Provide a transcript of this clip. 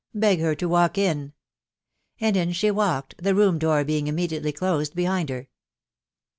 Beg her to walk in." And in she walked, the room door being immediately closed behind her.